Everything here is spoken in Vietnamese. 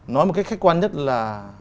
nói một cách khách quan nhất là